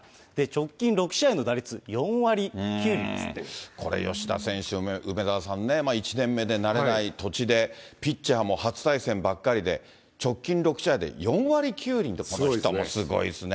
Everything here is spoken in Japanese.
直近６試合の打率、これ、吉田選手、梅沢さんね、１年目で慣れない土地で、ピッチャーも初対戦ばっかりで、直近６試合で４割９厘って、この人もすごいですね。